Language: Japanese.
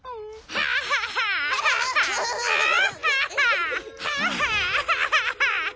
ハハハハハ。